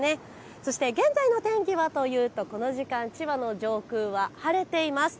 そして現在の天気はというとこの時間、千葉の上空は晴れています。